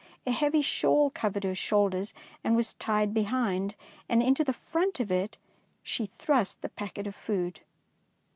A heavy shawl covered her shoulders and was tied be hind, and into the front of it she thrust the packet of food.